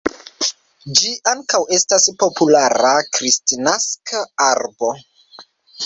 Ĝi ankaŭ estas populara kristnaska arbo.